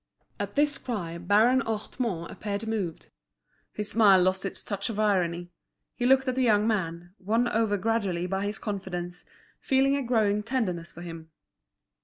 At this cry Baron Hartmann appeared moved. His smile lost its touch of irony; he looked at the young man, won over gradually by his confidence, feeling a growing tenderness for him.